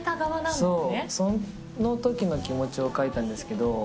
そう、そのときの気持ちを書いたんですけど。